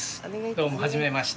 どうも初めまして。